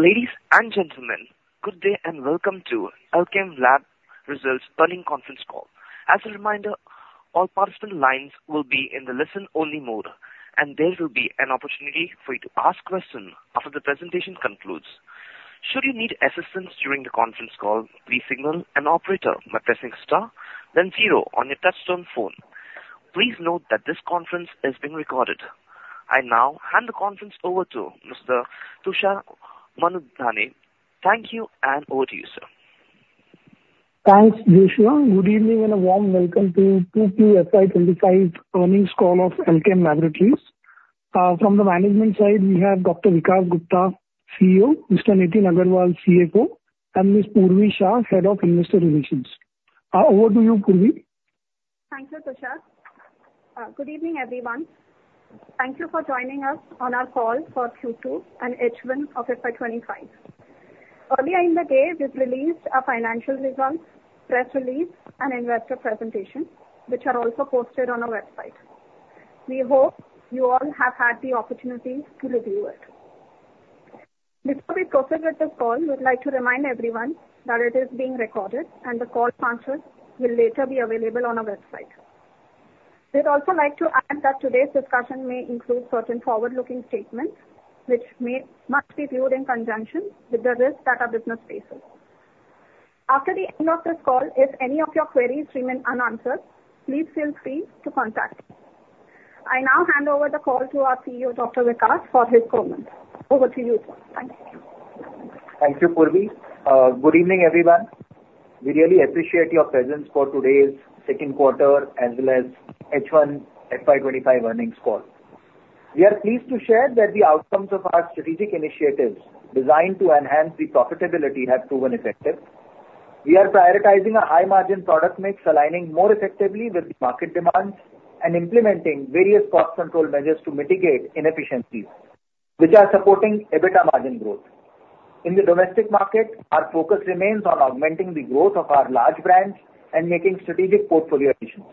Ladies and gentlemen, good day and welcome to Alkem Laboratories results and planning conference call. As a reminder, all participant lines will be in the listen-only mode, and there will be an opportunity for you to ask questions after the presentation concludes. Should you need assistance during the conference call, please signal an operator by pressing star, then zero on your touch-tone phone. Please note that this conference is being recorded. I now hand the conference over to Mr. Tushar Manudhane. Thank you, and over to you, sir. Thanks, Vishwa. Good evening and a warm welcome to Q2 FY 2025 earnings call of Alkem Laboratories. From the management side, we have Dr. Vikas Gupta, CEO, Mr. Nitin Agarwal, CFO, and Ms. Purvi Shah, Head of Investor Relations. Over to you, Purvi. Thank you, Tushar. Good evening, everyone. Thank you for joining us on our call for Q2 and H1 of FY 2025. Earlier in the day, we've released our financial results, press release, and investor presentation, which are also posted on our website. We hope you all have had the opportunity to review it. Before we proceed with this call, we'd like to remind everyone that it is being recorded, and the call answers will later be available on our website. We'd also like to add that today's discussion may include certain forward-looking statements, which must be viewed in conjunction with the risk that our business faces. After the end of this call, if any of your queries remain unanswered, please feel free to contact us. I now hand over the call to our CEO, Dr. Vikas Gupta, for his comments. Over to you, sir. Thank you. Thank you, Purvi. Good evening, everyone. We really appreciate your presence for today's second quarter as well as H1 FY 2025 earnings call. We are pleased to share that the outcomes of our strategic initiatives designed to enhance the profitability have proven effective. We are prioritizing a high-margin product mix, aligning more effectively with the market demands, and implementing various cost control measures to mitigate inefficiencies, which are supporting EBITDA margin growth. In the domestic market, our focus remains on augmenting the growth of our large brands and making strategic portfolio additions.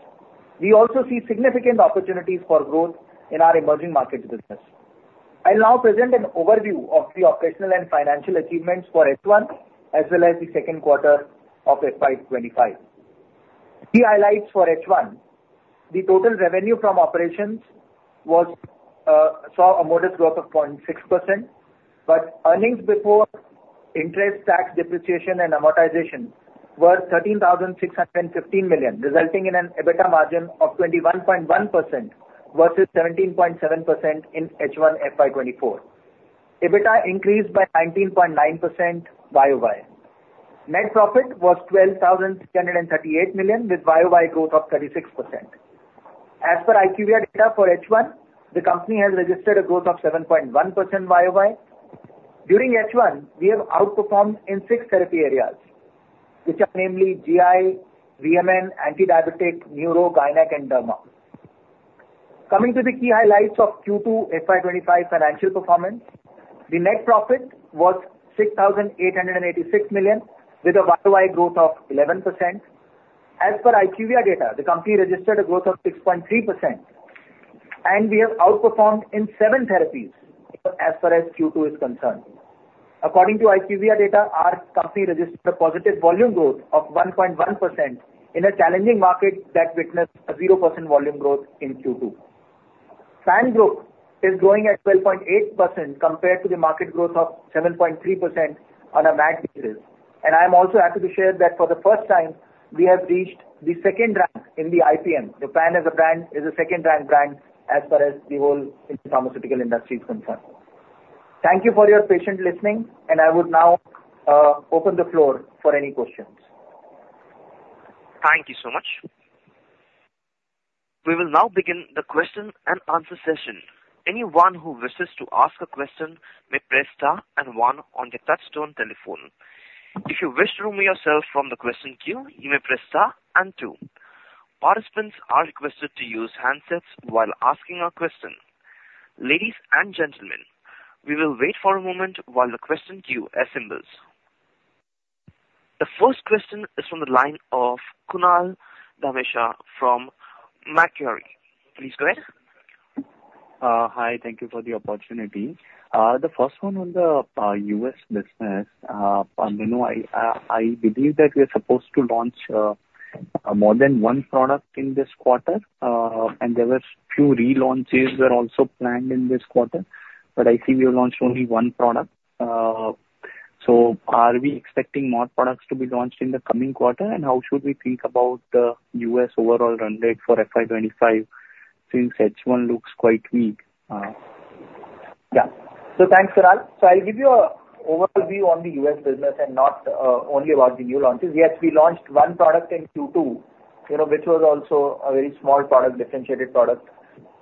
We also see significant opportunities for growth in our emerging market business. I'll now present an overview of the operational and financial achievements for H1 as well as the second quarter of FY 2025. Key highlights for H1: the total revenue from operations saw a modest growth of 0.6%, but earnings before interest, tax, depreciation, and amortization were 13,615 million, resulting in an EBITDA margin of 21.1% versus 17.7% in H1 FY 2025. EBITDA increased by 19.9% year-over-year. Net profit was 12,638 million, with year-over-year growth of 36%. As per IQVIA data for H1, the company has registered a growth of 7.1% year-over-year. During H1, we have outperformed in six therapy areas, which are namely GI, VMN, anti-diabetic, neuro, gynec, and derma. Coming to the key highlights of Q2 FY 2025 financial performance, the net profit was 6,886 million, with a year-over-year growth of 11%. As per IQVIA data, the company registered a growth of 6.3%, and we have outperformed in seven therapies as far as Q2 is concerned. According to IQVIA data, our company registered a positive volume growth of 1.1% in a challenging market that witnessed a 0% volume growth in Q2. Pan Group is growing at 12.8% compared to the market growth of 7.3% on a MAT basis. I am also happy to share that for the first time, we have reached the second rank in the IPM. The Pan is a second-ranked brand as far as the whole pharmaceutical industry is concerned. Thank you for your patience in listening, and I would now open the floor for any questions. Thank you so much. We will now begin the question-and-answer session. Anyone who wishes to ask a question may press star and one on the touch-tone telephone. If you wish to remove yourself from the question queue, you may press star and two. Participants are requested to use handsets while asking a question. Ladies and gentlemen, we will wait for a moment while the question queue assembles. The first question is from the line of Kunal Dhamesha from Macquarie. Please go ahead. Hi. Thank you for the opportunity. The first one on the US business, I believe that we are supposed to launch more than one product in this quarter, and there were a few relaunches also planned in this quarter, but I see we launched only one product. So are we expecting more products to be launched in the coming quarter, and how should we think about the US overall run rate for FY 2025 since H1 looks quite weak? Yeah. So thanks, Kunal. So I'll give you an overview on the US business and not only about the new launches. Yes, we launched one product in Q2, which was also a very small product, differentiated product.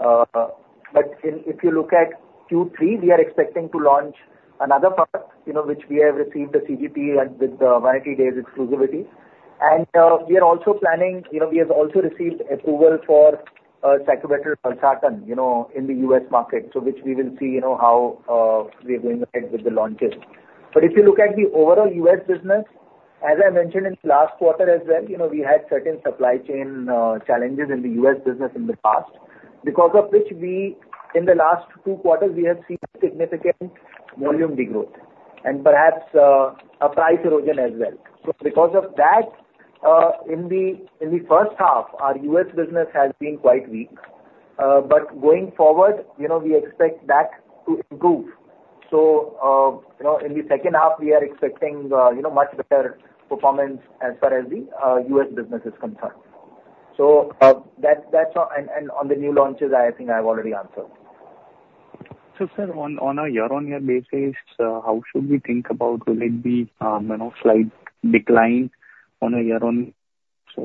But if you look at Q3, we are expecting to launch another product, which we have received the CGT with the 180 days exclusivity. And we are also planning. We have also received approval for Sacubitril/Valsartan in the US market, which we will see how we are doing with the launches. But if you look at the overall US business, as I mentioned in the last quarter as well, we had certain supply chain challenges in the US business in the past, because of which we, in the last two quarters, have seen significant volume regrowth and perhaps a price erosion as well. So because of that, in the first half, our U.S. business has been quite weak, but going forward, we expect that to improve. So in the second half, we are expecting much better performance as far as the U.S. business is concerned. So that's all. And on the new launches, I think I've already answered. So sir, on a year-on-year basis, how should we think about? Will it be a slight decline on a year-on-year?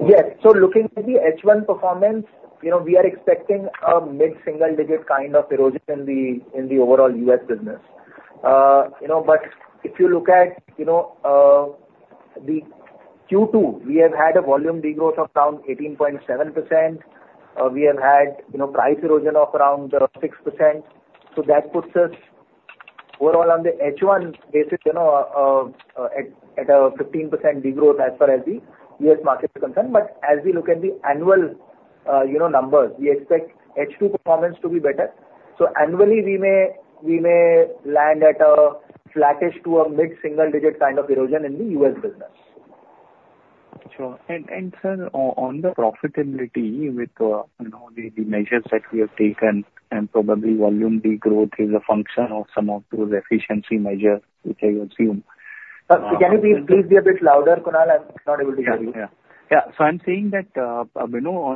Yes. So looking at the H1 performance, we are expecting a mid-single-digit kind of erosion in the overall US business. But if you look at the Q2, we have had a volume regrowth of around 18.7%. We have had price erosion of around 6%. So that puts us, overall, on the H1 basis at a 15% regrowth as far as the US market is concerned. But as we look at the annual numbers, we expect H2 performance to be better. So annually, we may land at a flattish to a mid-single-digit kind of erosion in the US business. Sure. And sir, on the profitability with the measures that we have taken, and probably volume regrowth is a function of some of those efficiency measures, which I assume. Can you please be a bit louder, Kunal? I'm not able to hear you. Yeah. So I'm saying that on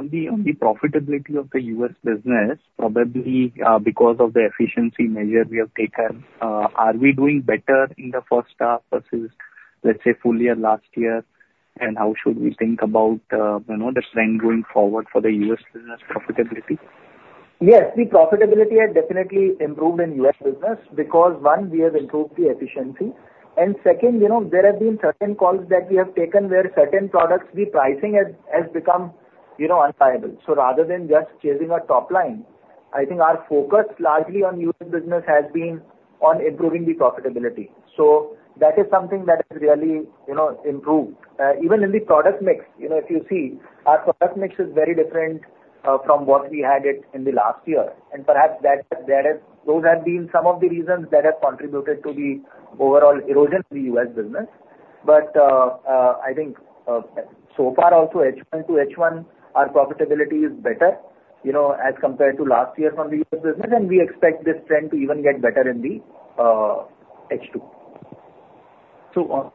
the profitability of the U.S. business, probably because of the efficiency measures we have taken, are we doing better in the first half versus, let's say, full year last year? And how should we think about the trend going forward for the U.S. business profitability? Yes. The profitability has definitely improved in US business because, one, we have improved the efficiency. And second, there have been certain calls that we have taken where certain products the pricing has become unviable. So rather than just chasing a top line, I think our focus largely on US business has been on improving the profitability. So that is something that has really improved. Even in the product mix, if you see, our product mix is very different from what we had in the last year. And perhaps those have been some of the reasons that have contributed to the overall erosion in the US business. But I think so far, also H1 to H1, our profitability is better as compared to last year from the US business, and we expect this trend to even get better in the H2. So on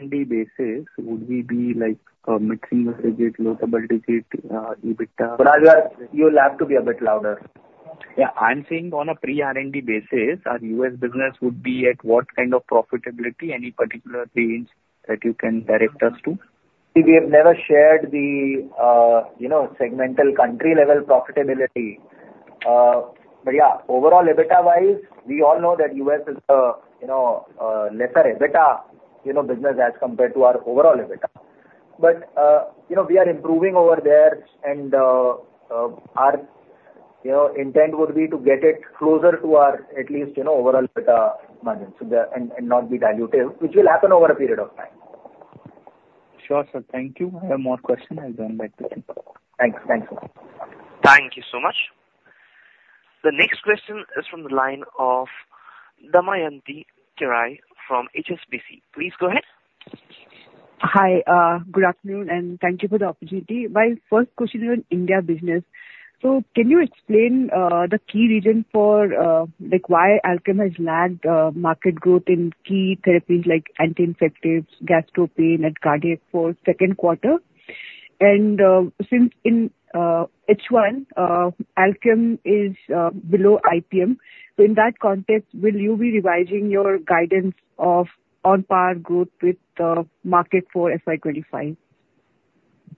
an R&D basis, would we be mid-single-digit, low double-digit, EBITDA? Kunal, you'll have to be a bit louder. Yeah. I'm saying on a pre-R&D basis, our U.S. business would be at what kind of profitability, any particular range that you can direct us to? We have never shared the segmental country-level profitability. But yeah, overall EBITDA-wise, we all know that U.S. is a lesser EBITDA business as compared to our overall EBITDA. But we are improving over there, and our intent would be to get it closer to our at least overall EBITDA margin and not be dilutive, which will happen over a period of time. Sure, sir. Thank you. I have more questions. I'll join back to you. Thanks. Thanks, sir. Thank you so much. The next question is from the line of Damayanti Kerai from HSBC. Please go ahead. Hi. Good afternoon, and thank you for the opportunity. My first question is on India business. So can you explain the key reason for why Alkem has lagged market growth in key therapies like anti-infectives, gastro, and cardiac for second quarter? And since in H1, Alkem is below IPM, so in that context, will you be revising your guidance of on par growth with the market for FY 2025?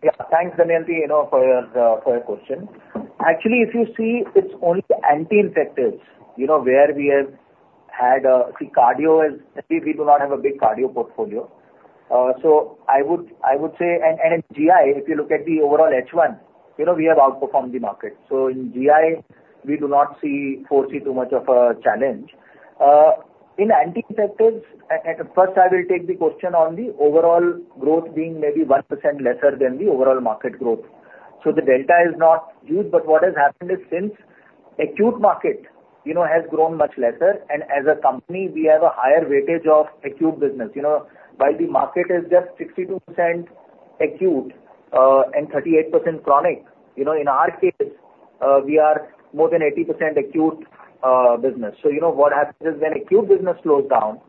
Yeah. Thanks, Damayanti, for your question. Actually, if you see, it's only anti-infectives where we have had. See, cardio is we do not have a big cardio portfolio. So I would say, and in GI, if you look at the overall H1, we have outperformed the market. So in GI, we do not foresee too much of a challenge. In anti-infectives, at first, I will take the question on the overall growth being maybe 1% lesser than the overall market growth. So the delta is not huge, but what has happened is since acute market has grown much lesser, and as a company, we have a higher weightage of acute business. While the market is just 62% acute and 38% chronic, in our case, we are more than 80% acute business. So what happens is when acute business slows down,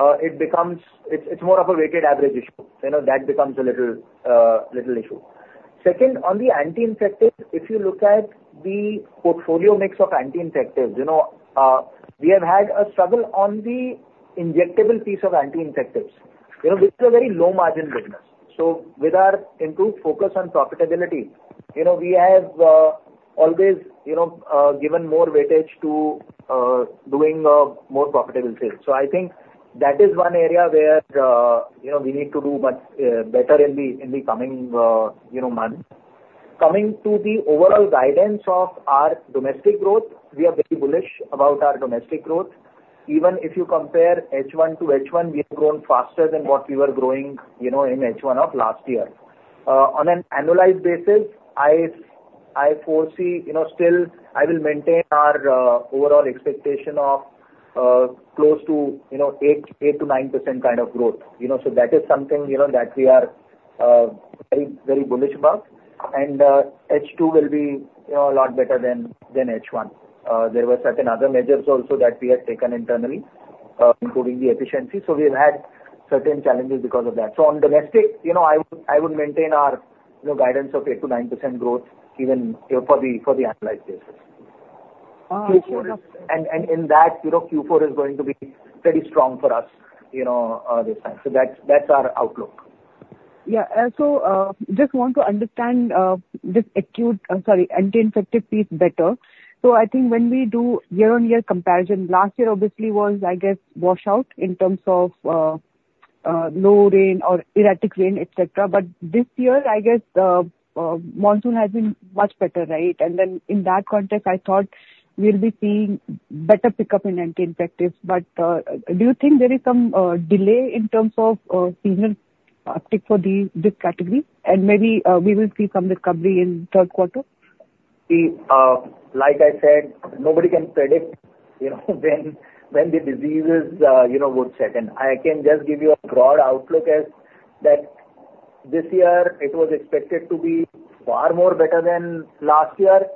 it's more of a weighted average issue. That becomes a little issue. Second, on the anti-infectives, if you look at the portfolio mix of anti-infectives, we have had a struggle on the injectable piece of anti-infectives, which is a very low-margin business. So with our improved focus on profitability, we have always given more weightage to doing more profitable sales. So I think that is one area where we need to do much better in the coming months. Coming to the overall guidance of our domestic growth, we are very bullish about our domestic growth. Even if you compare H1 to H1, we have grown faster than what we were growing in H1 of last year. On an annualized basis, I foresee still I will maintain our overall expectation of close to 8%-9% kind of growth. So that is something that we are very bullish about. And H2 will be a lot better than H1. There were certain other measures also that we had taken internally, including the efficiency. So we've had certain challenges because of that. So on domestic, I would maintain our guidance of 8%-9% growth even for the annualized basis. Q4 is? In that, Q4 is going to be pretty strong for us this time. That's our outlook. Yeah. So just want to understand this acute, sorry, anti-infective piece better. So I think when we do year-on-year comparison, last year obviously was, I guess, washed out in terms of low rain or erratic rain, etc. But this year, I guess the monsoon has been much better, right? And then in that context, I thought we'll be seeing better pickup in anti-infectives. But do you think there is some delay in terms of seasonal uptick for this category? And maybe we will see some recovery in third quarter? Like I said, nobody can predict when the diseases would set in. I can just give you a broad outlook as that this year, it was expected to be far more better than last year.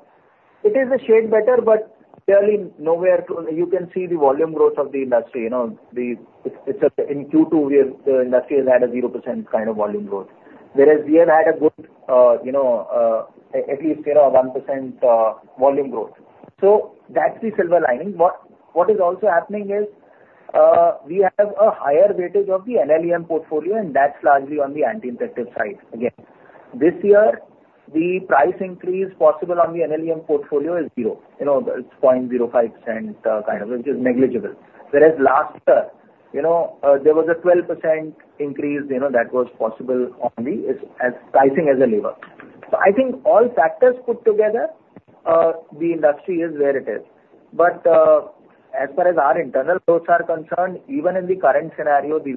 It is a shade better, but clearly nowhere you can see the volume growth of the industry. In Q2, the industry has had a 0% kind of volume growth, whereas we have had a good, at least 1% volume growth. So that's the silver lining. What is also happening is we have a higher weightage of the NLEM portfolio, and that's largely on the anti-infective side. Again, this year, the price increase possible on the NLEM portfolio is 0%. It's 0.05% kind of, which is negligible. Whereas last year, there was a 12% increase that was possible on the pricing as a lever. So I think all factors put together, the industry is where it is. But as far as our internal growths are concerned, even in the current scenario, the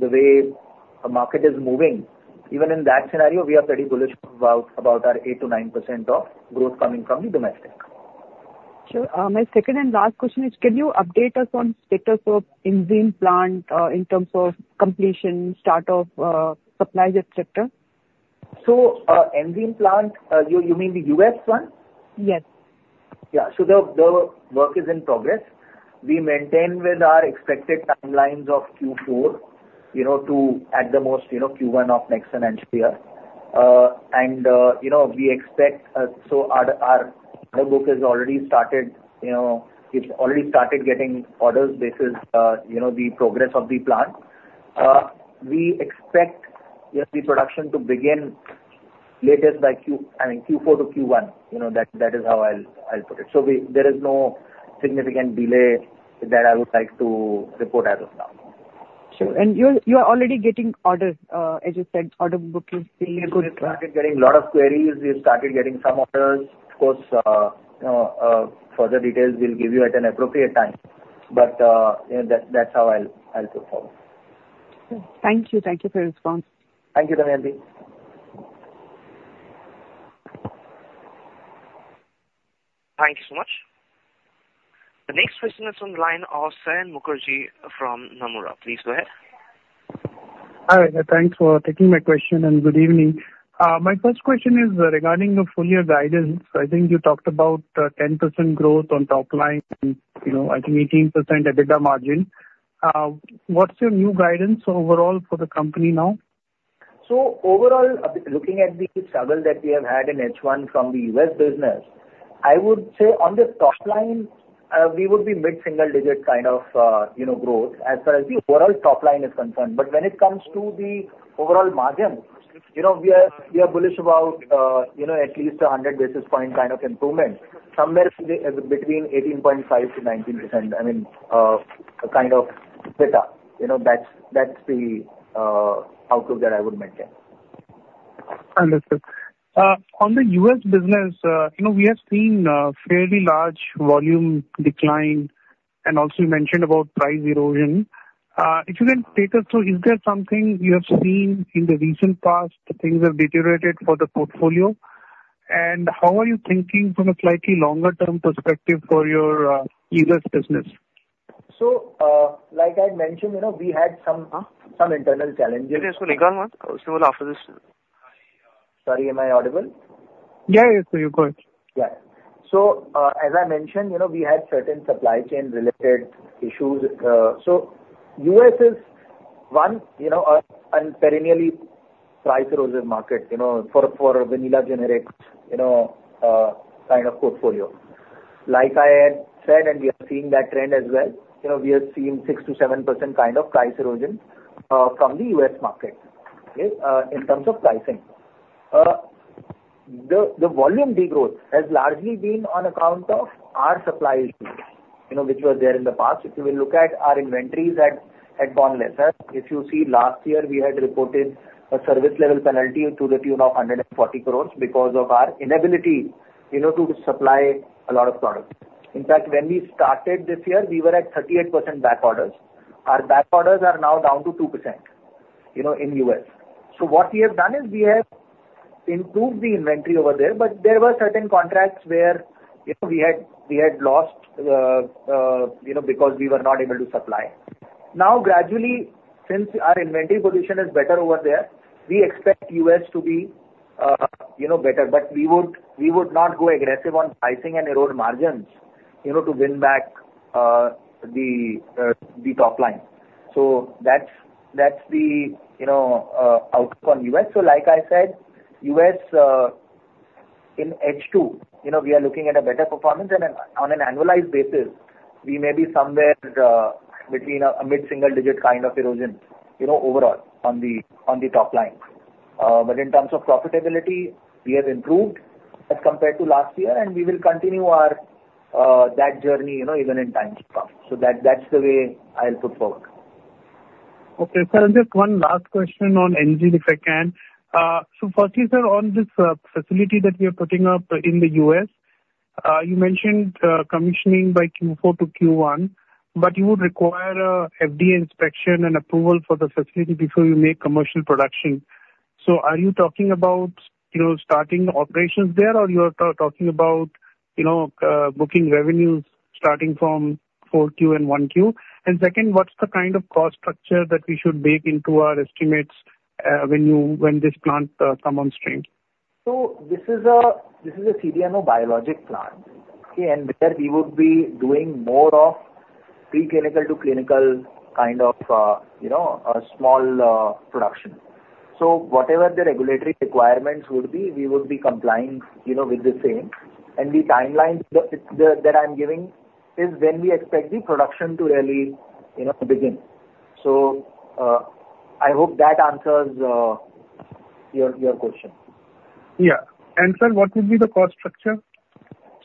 way the market is moving, even in that scenario, we are pretty bullish about our 8%-9% growth coming from the domestic. Sure. My second and last question is, can you update us on status of enzyme plant in terms of completion, start of supply sector? So enzyme plant, you mean the U.S. one? Yes. Yeah, so the work is in progress. We maintain with our expected timelines of Q4 to, at the most, Q1 of next financial year. And we expect, so our book has already started. It's already started getting orders based on the progress of the plant. We expect the production to begin latest by Q4 to Q1. That is how I'll put it, so there is no significant delay that I would like to report as of now. Sure. And you are already getting orders, as you said, order book is being put in. We have started getting a lot of queries. We have started getting some orders. Of course, further details we'll give you at an appropriate time. But that's how I'll put forward. Thank you. Thank you for your response. Thank you, Damayanti. Thank you so much. The next question is from the line of Saion Mukherjee from Nomura. Please go ahead. Hi. Thanks for taking my question and good evening. My first question is regarding the full year guidance. I think you talked about 10% growth on top line, I think 18% EBITDA margin. What's your new guidance overall for the company now? So overall, looking at the struggle that we have had in H1 from the US business, I would say on the top line, we would be mid-single-digit kind of growth as far as the overall top line is concerned. But when it comes to the overall margin, we are bullish about at least a 100 basis point kind of improvement, somewhere between 18.5% to 19%, I mean, kind of EBITDA. That's the outlook that I would maintain. Understood. On the US business, we have seen fairly large volume decline, and also you mentioned about price erosion. If you can take us through, is there something you have seen in the recent past, things have deteriorated for the portfolio? And how are you thinking from a slightly longer-term perspective for your US business? So like I mentioned, we had some internal challenges. Okay. So, please say hello after this. Sorry, am I audible? Yeah, yeah, sir. You're good. Yeah. So as I mentioned, we had certain supply chain-related issues. So U.S. is, one, a perennially price-erosive market for vanilla generic kind of portfolio. Like I had said, and we are seeing that trend as well. We have seen 6%-7% kind of price erosion from the U.S. market in terms of pricing. The volume degrowth has largely been on account of our supply issues, which were there in the past. If you will look at our inventories at Bonleiser, if you see last year, we had reported a service-level penalty to the tune of 140 crores because of our inability to supply a lot of products. In fact, when we started this year, we were at 38% back orders. Our back orders are now down to 2% in U.S. So what we have done is we have improved the inventory over there, but there were certain contracts where we had lost because we were not able to supply. Now, gradually, since our inventory position is better over there, we expect US to be better. But we would not go aggressive on pricing and erode margins to win back the top line. So that's the outlook on US. So like I said, US in H2, we are looking at a better performance. And on an annualized basis, we may be somewhere between a mid-single-digit kind of erosion overall on the top line. But in terms of profitability, we have improved as compared to last year, and we will continue that journey even in time to come. So that's the way I'll put forward. Okay. Sir, just one last question on generics, if I can. So firstly, sir, on this facility that we are putting up in the US, you mentioned commissioning by Q4 to Q1, but you would require FDA inspection and approval for the facility before you make commercial production. So are you talking about starting operations there, or you are talking about booking revenues starting from 4Q and 1Q? And second, what's the kind of cost structure that we should bake into our estimates when this plant comes on stream? So this is a CDMO biologic plant, and there we would be doing more of preclinical to clinical kind of small production. So whatever the regulatory requirements would be, we would be complying with the same. And the timeline that I'm giving is when we expect the production to really begin. So I hope that answers your question. Yeah. And sir, what would be the cost structure?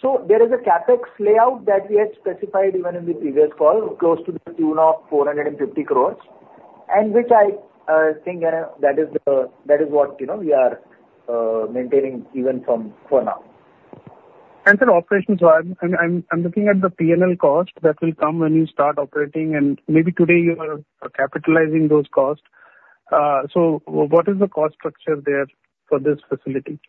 So there is a CapEx outlay that we had specified even in the previous call, close to the tune of 450 crores, which I think that is what we are maintaining even for now. Sir, operations wise, I'm looking at the P&L cost that will come when you start operating, and maybe today you are capitalizing those costs. What is the cost structure there for this facility?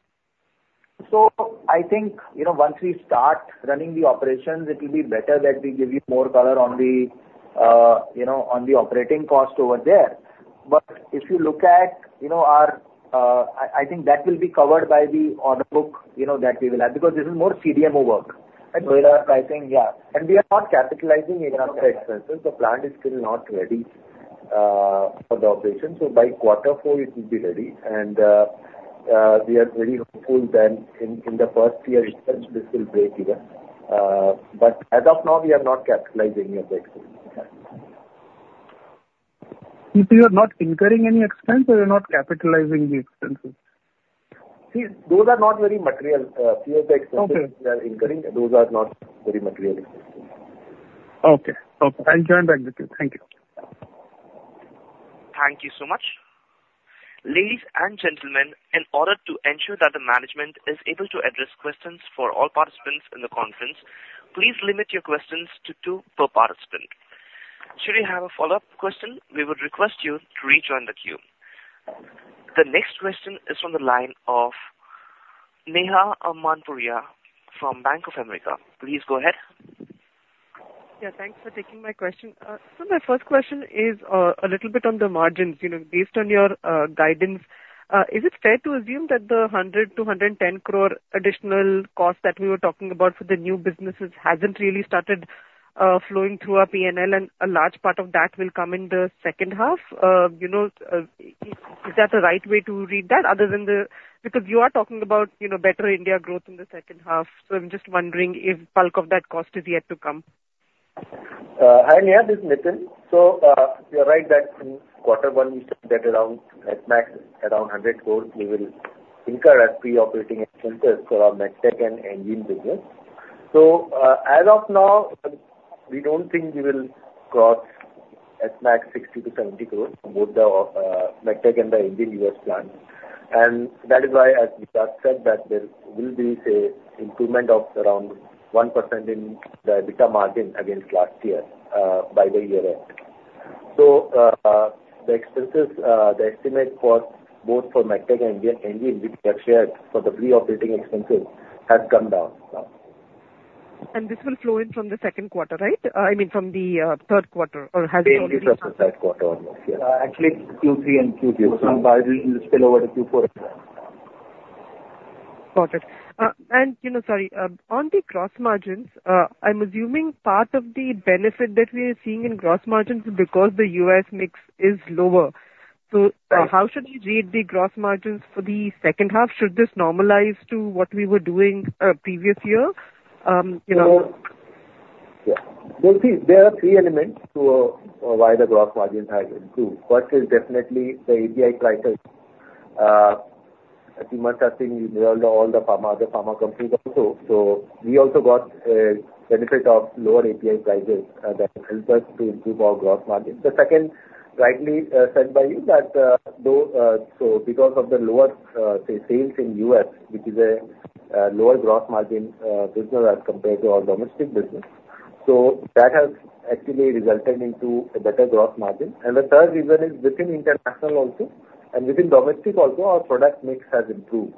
So I think once we start running the operations, it will be better that we give you more color on the operating cost over there. But if you look at our, I think that will be covered by the order book that we will have because this is more CDMO work. So in our pricing, yeah. And we are not capitalizing enough for expenses. The plant is still not ready for the operation. So by quarter four, it will be ready. And we are very hopeful that in the first year itself, this will break even. But as of now, we are not capitalizing any of the expenses. So you are not incurring any expense, or you're not capitalizing the expenses? See, those are not very material expenses we are incurring. Okay. Okay. I'll join back with you. Thank you. Thank you so much. Ladies and gentlemen, in order to ensure that the management is able to address questions for all participants in the conference, please limit your questions to two per participant. Should you have a follow-up question, we would request you to rejoin the queue. The next question is from the line of Neha Manpuria from Bank of America. Please go ahead. Yeah. Thanks for taking my question. So my first question is a little bit on the margins. Based on your guidance, is it fair to assume that the 100 crore to 110 crore additional cost that we were talking about for the new businesses hasn't really started flowing through our P&L, and a large part of that will come in the second half? Is that the right way to read that? Because you are talking about better India growth in the second half. So I'm just wondering if bulk of that cost is yet to come. Hi, Neha? This is Nitin. So you're right that in quarter one, we said that around at max around 100 crores, we will incur at pre-operating expenses for our MedTech and gen business. So as of now, we don't think we will cross at max 60-70 crores for both the MedTech and the gen US plant. And that is why, as we just said, that there will be an improvement of around 1% in the EBITDA margin against last year by the year-end. So the estimate for both for MedTech and gen which we have shared for the pre-operating expenses has come down now. And this will flow in from the second quarter, right? I mean, from the third quarter, or has it already? It's already in the third quarter almost. Yeah. Actually, Q3 and Q2. So in Bharat, it'll spill over to Q4. Got it. And sorry, on the gross margins, I'm assuming part of the benefit that we are seeing in gross margins is because the U.S. mix is lower. So how should we read the gross margins for the second half? Should this normalize to what we were doing previous year? Yeah. Well, see, there are three elements to why the gross margins have improved. First is definitely the API prices. As you must have seen, we monitored all the pharma companies also. So we also got a benefit of lower API prices that helped us to improve our gross margins. The second, rightly said by you, that because of the lower sales in U.S., which is a lower gross margin business as compared to our domestic business, so that has actually resulted into a better gross margin. And the third reason is within international also. And within domestic also, our product mix has improved.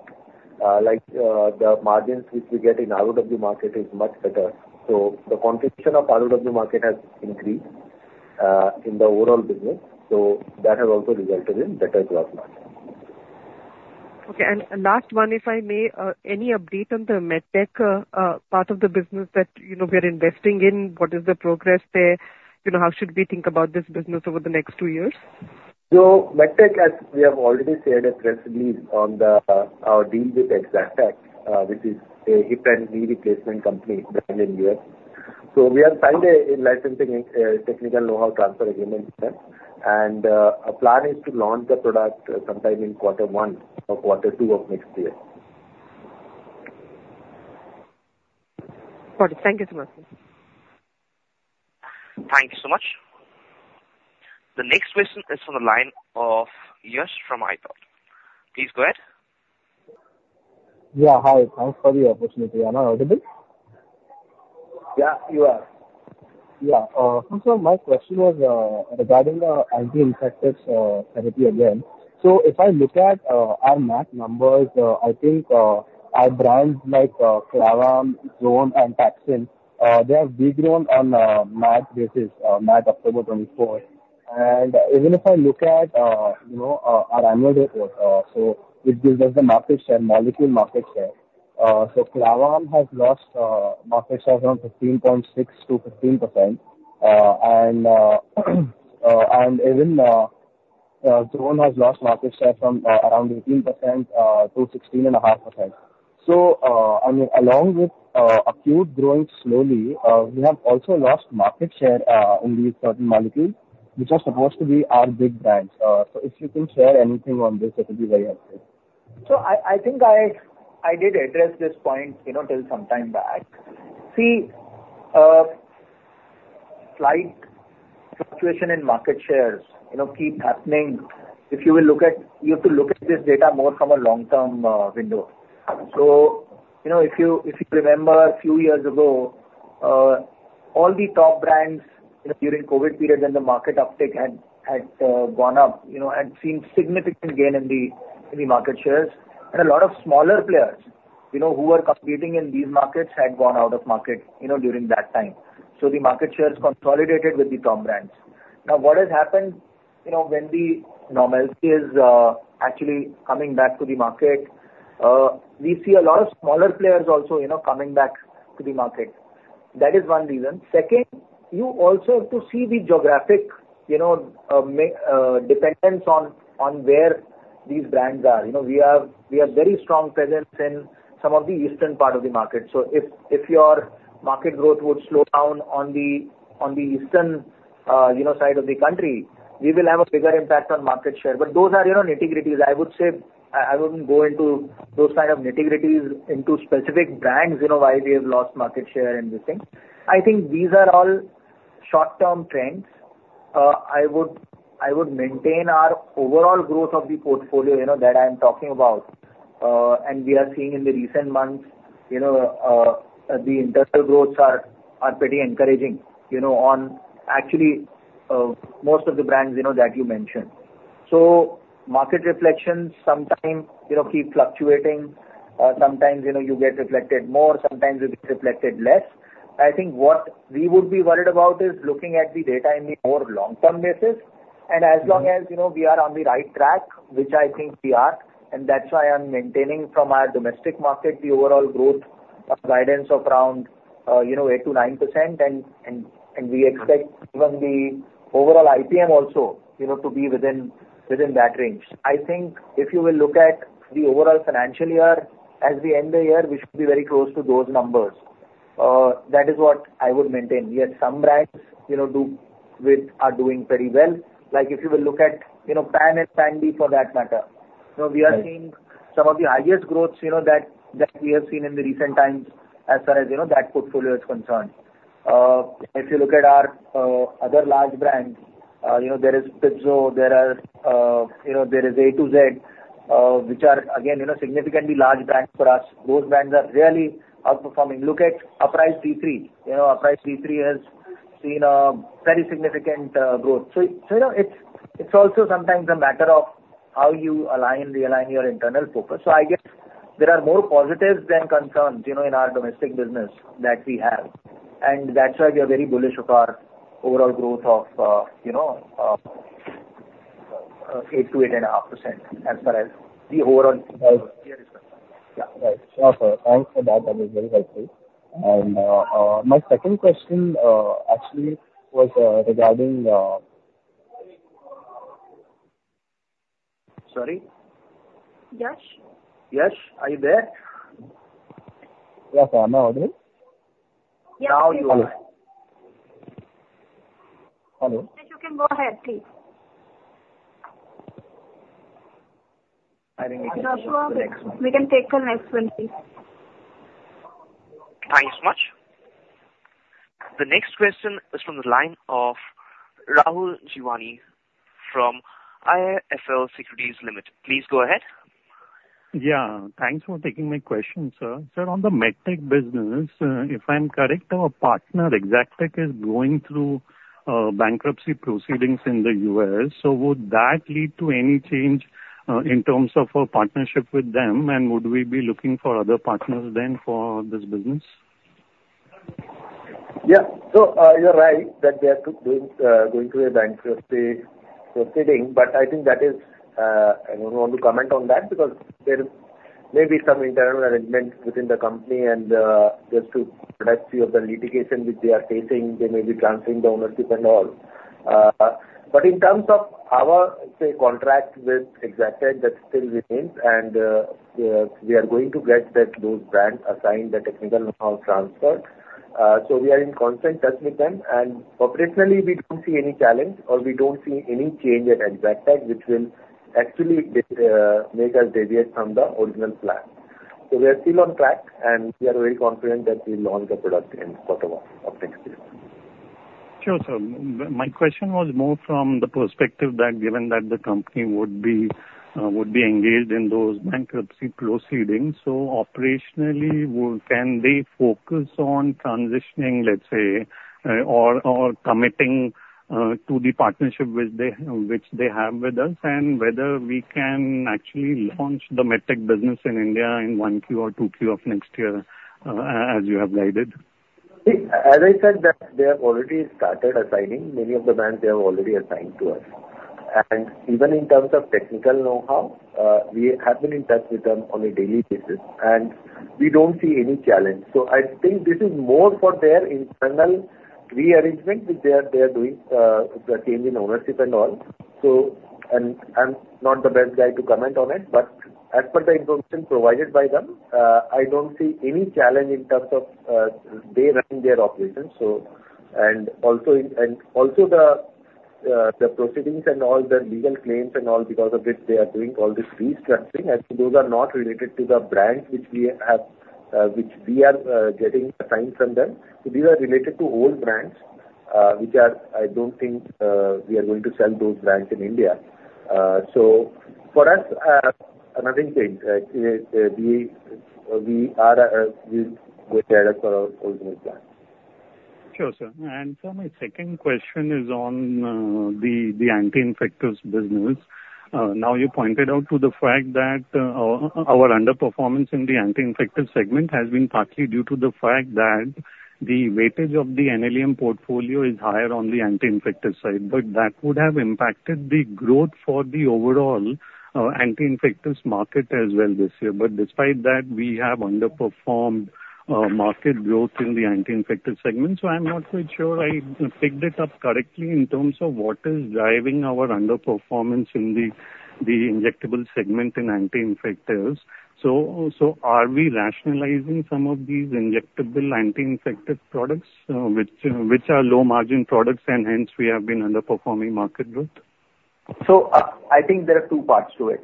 The margins which we get in ROW market is much better. So the contribution of ROW market has increased in the overall business. So that has also resulted in better gross margin. Okay, and last one, if I may, any update on the MedTech part of the business that we are investing in? What is the progress there? How should we think about this business over the next two years? MedTech, as we have already shared in the press release on our deal with Exactech, which is a hip and knee replacement company back in the U.S. We have signed a licensing technical know-how transfer agreement with them. Our plan is to launch the product sometime in quarter one or quarter two of next year. Got it. Thank you so much. Thank you so much. The next question is from the line of Yash from iThought PMS. Please go ahead. Yeah. Hi. Thanks for the opportunity. Am I audible? Yeah, you are. Yeah. First of all, my question was regarding the anti-infective therapy again. So if I look at our MAT numbers, I think our brands like Clavam, Xone, and Taxim, they have regrown on a MAT basis, MAT October 2024. And even if I look at our annual report, so it gives us the market share, molecule market share. So Clavam has lost market share from 15.6% to 15%. And even Xone has lost market share from around 18% to 16.5%. So I mean, along with acute growing slowly, we have also lost market share on these certain molecules, which are supposed to be our big brands. So if you can share anything on this, that would be very helpful. So I think I did address this point till sometime back. See, slight fluctuation in market shares keeps happening. If you will look at, you have to look at this data more from a long-term window. So if you remember a few years ago, all the top brands during COVID period, when the market uptick had gone up, had seen significant gain in the market shares, and a lot of smaller players who were competing in these markets had gone out of market during that time, so the market shares consolidated with the top brands. Now, what has happened when the normality is actually coming back to the market? We see a lot of smaller players also coming back to the market. That is one reason. Second, you also have to see the geographic dependence on where these brands are. We have very strong presence in some of the eastern part of the market. So if your market growth would slow down on the eastern side of the country, we will have a bigger impact on market share. But those are nitty-gritties. I would say I wouldn't go into those kind of nitty-gritties into specific brands, why they have lost market share and these things. I think these are all short-term trends. I would maintain our overall growth of the portfolio that I'm talking about. And we are seeing in the recent months, the internal growths are pretty encouraging on actually most of the brands that you mentioned. So market reflections sometimes keep fluctuating. Sometimes you get reflected more. Sometimes you get reflected less. I think what we would be worried about is looking at the data in the more long-term basis. And as long as we are on the right track, which I think we are, and that's why I'm maintaining from our domestic market the overall growth guidance of around 8%-9%. We expect even the overall IPM also to be within that range. I think if you will look at the overall financial year as we end the year, we should be very close to those numbers. That is what I would maintain. Yet, some brands are doing pretty well. If you will look at Pan and Pan-D, for that matter, we are seeing some of the highest growths that we have seen in the recent times as far as that portfolio is concerned. If you look at our other large brands, there is Pipzo. There is A to Z, which are, again, significantly large brands for us. Those brands are really outperforming. Look at Uprise-D3. Uprise-D3 has seen a very significant growth. So it's also sometimes a matter of how you align your internal focus. So I guess there are more positives than concerns in our domestic business that we have. And that's why we are very bullish for our overall growth of 8%-8.5% as far as the overall year is concerned. Yeah. Right. Sure, sir. Thanks for that. That is very helpful. And my second question actually was regarding. Sorry? Yash? Yash? Are you there? Yes, I'm audible? Yes. Now you are. Hello. Yash, you can go ahead, please. I think we can take the next one. We can take the next one, please. Thank you so much. The next question is from the line of Rahul Jeewani from IIFL Securities. Please go ahead. Yeah. Thanks for taking my question, sir. Sir, on the MedTech business, if I'm correct, our partner, Exactech, is going through bankruptcy proceedings in the U.S. So would that lead to any change in terms of our partnership with them? And would we be looking for other partners then for this business? Yeah. So you're right that they are going to a bankruptcy proceeding. But I think that is. I don't want to comment on that because there may be some internal arrangements within the company. And just to address a few of the litigation which they are facing, they may be transferring the ownership and all. But in terms of our, say, contract with Exactech, that still remains. And we are going to get those brands assigned the technical know-how transfer. So we are in constant touch with them. And operationally, we don't see any challenge or we don't see any change at Exactech, which will actually make us deviate from the original plan. So we are still on track. And we are very confident that we'll launch the product in quarter one of next year. Sure, sir. My question was more from the perspective that given that the company would be engaged in those bankruptcy proceedings, so operationally, can they focus on transitioning, let's say, or committing to the partnership which they have with us? And whether we can actually launch the MedTech business in India in one Q or two Q of next year, as you have guided? As I said, they have already started assigning many of the brands they have already assigned to us. And even in terms of technical know-how, we have been in touch with them on a daily basis. And we don't see any challenge. So I think this is more for their internal rearrangement which they are doing, the change in ownership and all. So I'm not the best guy to comment on it. But as per the information provided by them, I don't see any challenge in terms of their running their operations. And also the proceedings and all the legal claims and all because of which they are doing all this restructuring, I think those are not related to the brands which we are getting assigned from them. So these are related to old brands which I don't think we are going to sell those brands in India. For us, another thing, we are going to add US to our old brands. Sure, sir. And sir, my second question is on the anti-infective business. Now, you pointed out to the fact that our underperformance in the anti-infective segment has been partly due to the fact that the weightage of the NLEM portfolio is higher on the anti-infective side. But that would have impacted the growth for the overall anti-infective market as well this year. But despite that, we have underperformed market growth in the anti-infective segment. So I'm not quite sure I picked it up correctly in terms of what is driving our underperformance in the injectable segment in anti-infective. So are we rationalizing some of these injectable anti-infective products which are low-margin products and hence we have been underperforming market growth? I think there are two parts to it.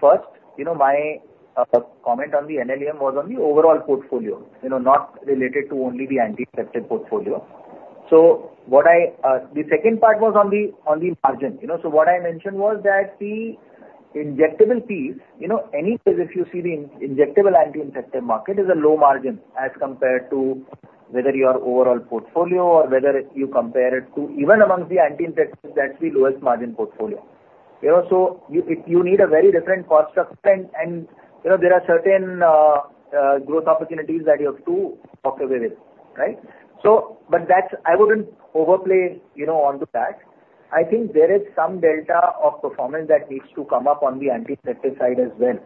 First, my comment on the NLEM was on the overall portfolio, not related to only the anti-infective portfolio. The second part was on the margin. What I mentioned was that the injectable piece, anyway, if you see the injectable anti-infective market is a low margin as compared to whether your overall portfolio or whether you compare it to even amongst the anti-infective, that's the lowest margin portfolio. You need a very different cost structure. And there are certain growth opportunities that you have to walk away with, right? But I wouldn't overplay onto that. I think there is some delta of performance that needs to come up on the anti-infective side as well.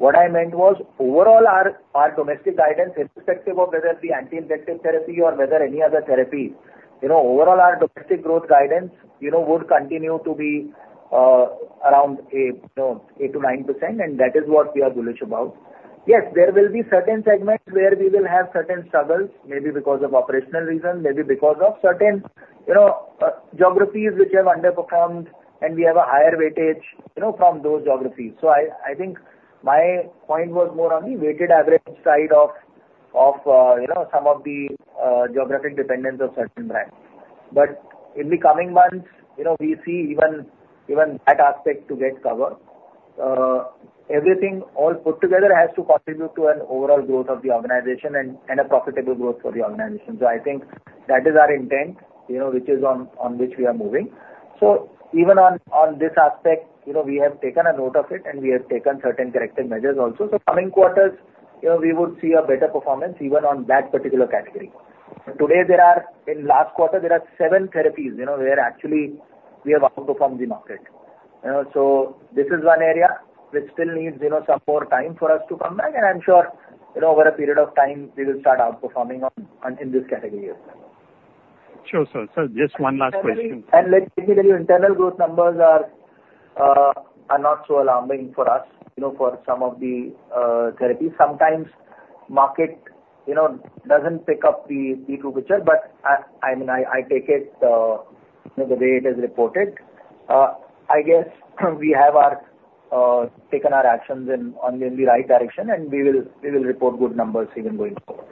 What I meant was overall, our domestic guidance, irrespective of whether it's the anti-infective therapy or whether any other therapy, overall, our domestic growth guidance would continue to be around 8%-9%. And that is what we are bullish about. Yes, there will be certain segments where we will have certain struggles, maybe because of operational reasons, maybe because of certain geographies which have underperformed, and we have a higher weightage from those geographies. So I think my point was more on the weighted average side of some of the geographic dependence of certain brands. But in the coming months, we see even that aspect to get covered. Everything all put together has to contribute to an overall growth of the organization and a profitable growth for the organization. So I think that is our intent, which is on which we are moving. So even on this aspect, we have taken a note of it, and we have taken certain corrective measures also, so coming quarters, we would see a better performance even on that particular category. To date, in last quarter, there are seven therapies where actually we have outperformed the market, so this is one area which still needs some more time for us to come back, and I'm sure over a period of time, we will start outperforming in this category as well. Sure, sir. Sir, just one last question. Let me tell you, internal growth numbers are not so alarming for us for some of the therapies. Sometimes market doesn't pick up the temperature, but I mean, I take it the way it is reported. I guess we have taken our actions in the right direction, and we will report good numbers even going forward.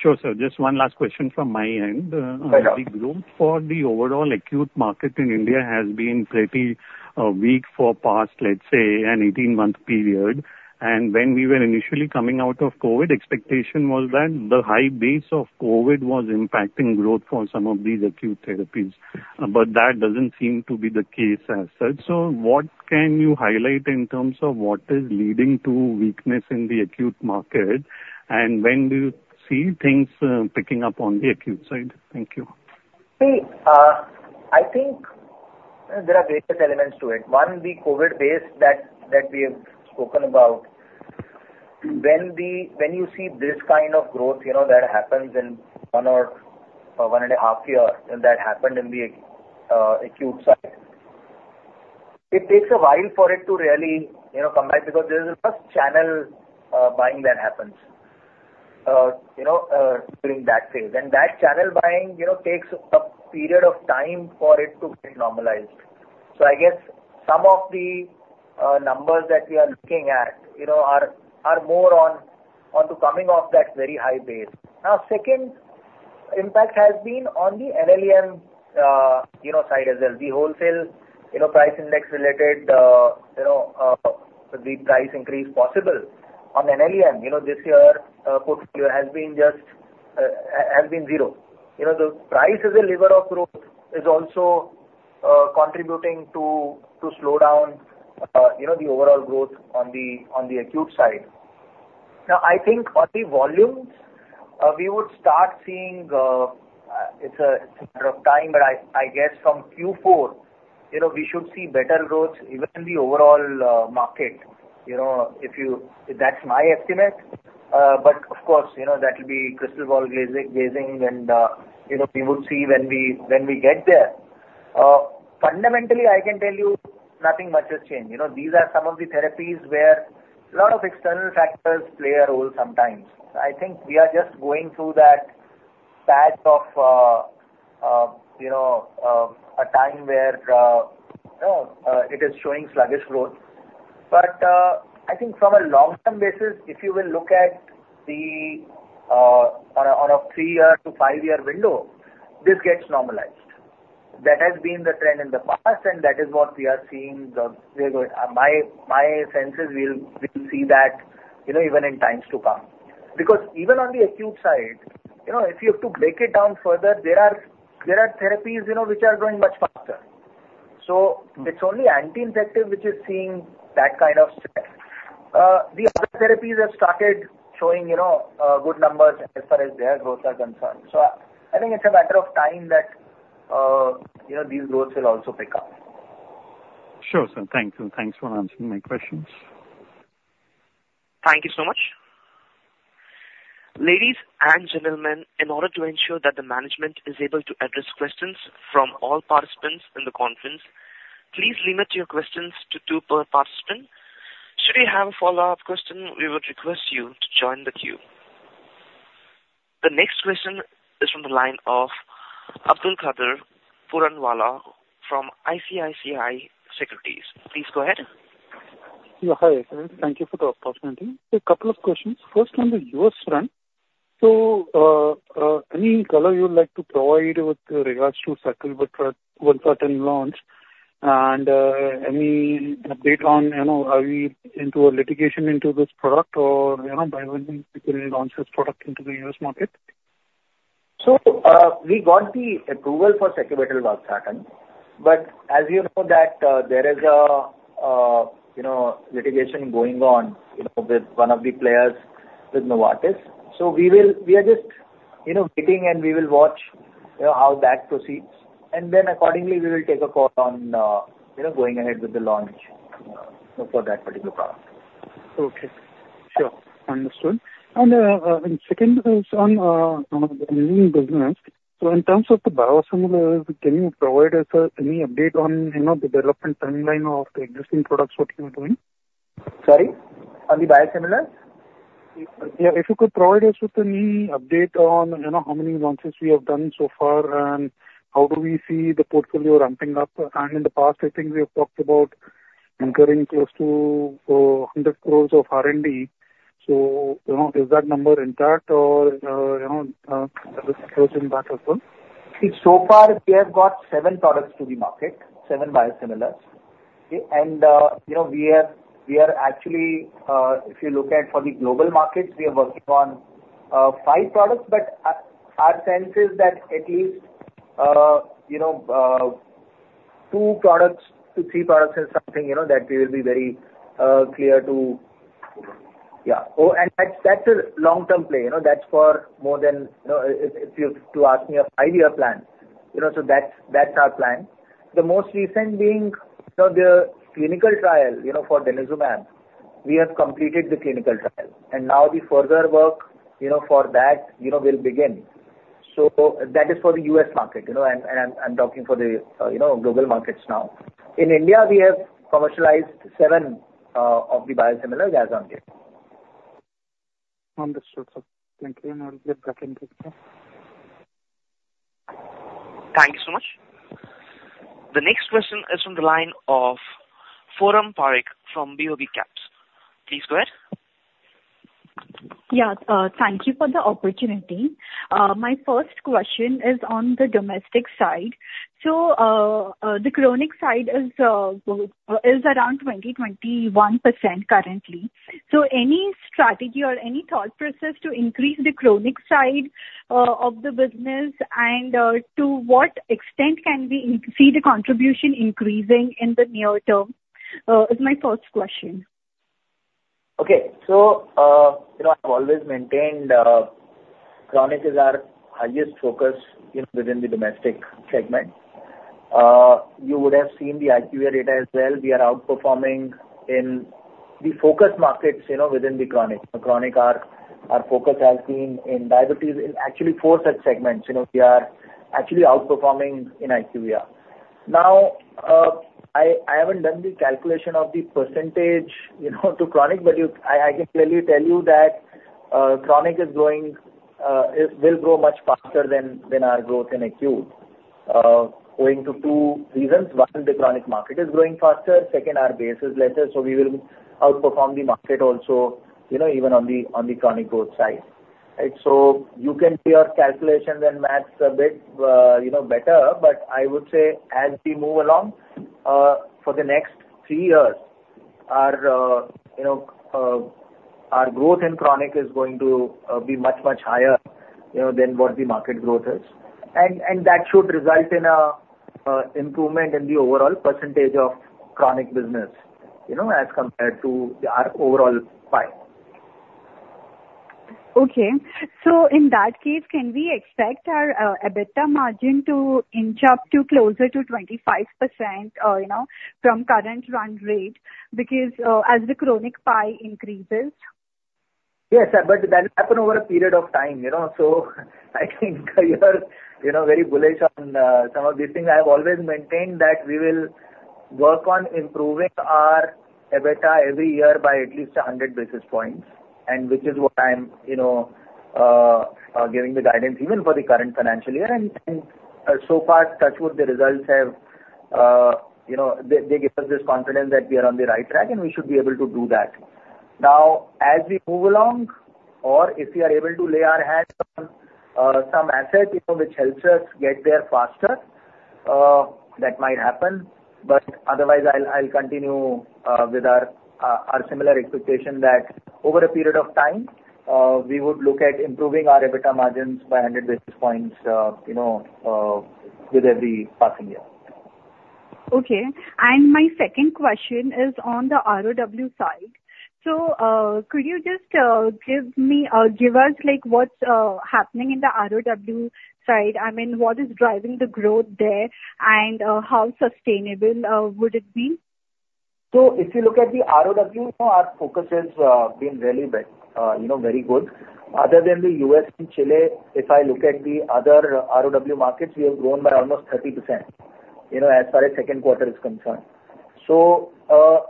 Sure, sir. Just one last question from my end. The growth for the overall acute market in India has been pretty weak for the past, let's say, an 18-month period. And when we were initially coming out of COVID, expectation was that the high base of COVID was impacting growth for some of these acute therapies. But that doesn't seem to be the case as such. So what can you highlight in terms of what is leading to weakness in the acute market? And when do you see things picking up on the acute side? Thank you. I think there are various elements to it. One, the COVID base that we have spoken about. When you see this kind of growth that happens in one or one and a half year that happened in the acute side, it takes a while for it to really come back because there's a channel buying that happens during that phase. And that channel buying takes a period of time for it to get normalized. So I guess some of the numbers that we are looking at are more onto coming off that very high base. Now, second impact has been on the NLEM side as well. The wholesale price Ind AS-related, the price increase possible on NLEM this year portfolio has been zero. The price as a lever of growth is also contributing to slow down the overall growth on the acute side. Now, I think on the volumes, we would start seeing it's a matter of time, but I guess from Q4, we should see better growth even in the overall market. That's my estimate. But of course, that will be crystal ball gazing, and we would see when we get there. Fundamentally, I can tell you nothing much has changed. These are some of the therapies where a lot of external factors play a role sometimes. I think we are just going through that patch of a time where it is showing sluggish growth. But I think from a long-term basis, if you will look at it on a three-year to five-year window, this gets normalized. That has been the trend in the past, and that is what we are seeing. My sense is we'll see that even in times to come. Because even on the acute side, if you have to break it down further, there are therapies which are going much faster. So it's only anti-infective which is seeing that kind of step. The other therapies have started showing good numbers as far as their growth are concerned. So I think it's a matter of time that these growths will also pick up. Sure, sir. Thank you. Thanks for answering my questions. Thank you so much. Ladies and gentlemen, in order to ensure that the management is able to address questions from all participants in the conference, please limit your questions to two per participant. Should we have a follow-up question, we would request you to join the queue. The next question is from the line of Abdulkader Puranwala from ICICI Securities. Please go ahead. Yeah, hi. Thank you for the opportunity. A couple of questions. First, on the US front, so any color you would like to provide with regards to Sacubitril launch and any update on are we into a litigation into this product or by when we can launch this product into the US market? So we got the approval for Sacubitril launch patent. But as you know, there is a litigation going on with one of the players with Novartis. So we are just waiting, and we will watch how that proceeds. And then accordingly, we will take a call on going ahead with the launch for that particular product. Okay. Sure. Understood. And second, on the NLEM business, so in terms of the biosimilars, can you provide us any update on the development timeline of the existing products what you are doing? Sorry? On the biosimilars? Yeah. If you could provide us with any update on how many launches we have done so far and how do we see the portfolio ramping up? And in the past, I think we have talked about incurring close to 100 crores of R&D. So is that number intact or is it scaling back as well? So far, we have got seven products to the market, seven biosimilars. And we are actually, if you look at for the global markets, we are working on five products. But our sense is that at least two products to three products is something that we will be very clear to. Yeah. And that's a long-term play. That's for more than if you have to ask me a five-year plan. So that's our plan. The most recent being the clinical trial for Denosumab. We have completed the clinical trial. And now the further work for that will begin. So that is for the US market. And I'm talking for the global markets now. In India, we have commercialized seven of the biosimilars as of yet. Understood, sir. Thank you. And I'll get back in touch with you. Thank you so much. The next question is from the line of Forum Parekh from BOB Capital. Please go ahead. Yeah. Thank you for the opportunity. My first question is on the domestic side. So the chronic side is around 20%-21% currently. So any strategy or any thought process to increase the chronic side of the business and to what extent can we see the contribution increasing in the near term is my first question. Okay. So I've always maintained chronic is our highest focus within the domestic segment. You would have seen the IQVIA data as well. We are outperforming in the focus markets within the chronic. The chronic, our focus has been in diabetes, in actually four such segments. We are actually outperforming in IQVIA. Now, I haven't done the calculation of the percentage to chronic, but I can clearly tell you that chronic will grow much faster than our growth in acute going to two reasons. One, the chronic market is growing faster. Second, our base is lesser. So we will outperform the market also even on the chronic growth side. So you can do your calculation and math a bit better. But I would say as we move along, for the next three years, our growth in chronic is going to be much, much higher than what the market growth is. That should result in an improvement in the overall percentage of chronic business as compared to our overall pie. Okay. So in that case, can we expect our EBITDA margin to inch up to closer to 25% from current run rate because as the chronic pie increases? Yes, but that will happen over a period of time, so I think you're very bullish on some of these things. I have always maintained that we will work on improving our EBITDA every year by at least 100 basis points, which is what I'm giving the guidance even for the current financial year, and so far, touch wood, the results have given us this confidence that we are on the right track, and we should be able to do that. Now, as we move along, or if we are able to lay our hands on some asset which helps us get there faster, that might happen, but otherwise, I'll continue with our similar expectation that over a period of time, we would look at improving our EBITDA margins by 100 basis points with every passing year. Okay. And my second question is on the ROW side. So could you just give us what's happening in the ROW side? I mean, what is driving the growth there, and how sustainable would it be? So if you look at the ROW, our focus has been really very good. Other than the U.S. and Chile, if I look at the other ROW markets, we have grown by almost 30% as far as second quarter is concerned. So all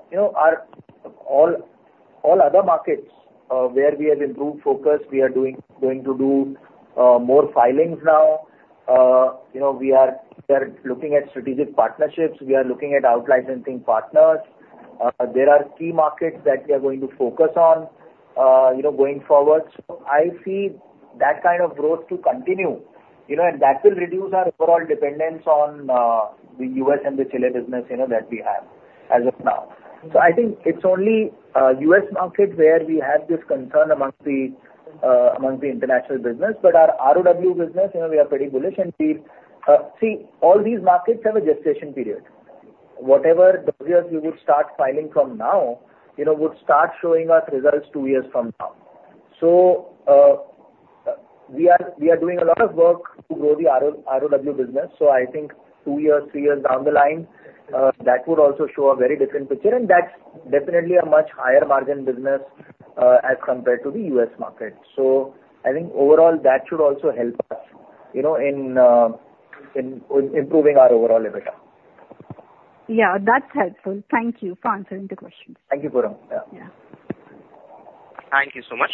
other markets where we have improved focus, we are going to do more filings now. We are looking at strategic partnerships. We are looking at outlicensing partners. There are key markets that we are going to focus on going forward. So I see that kind of growth to continue. And that will reduce our overall dependence on the U.S. and the Chile business that we have as of now. So I think it's only U.S. market where we have this concern among the international business. But our ROW business, we are pretty bullish. And see, all these markets have a gestation period. Whatever doses we would start filing from now would start showing us results two years from now. So we are doing a lot of work to grow the ROW business. So I think two years, three years down the line, that would also show a very different picture. And that's definitely a much higher margin business as compared to the U.S. market. So I think overall, that should also help us in improving our overall EBITDA. Yeah. That's helpful. Thank you for answering the questions. Thank you, Purvi. Yeah. Thank you so much.